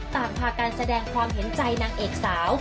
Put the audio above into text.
ต่างพาการแสดงความเห็นใจนางเอกสาว